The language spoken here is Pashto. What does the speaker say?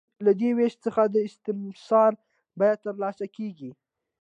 له دې وېش څخه د استثمار بیه ترلاسه کېږي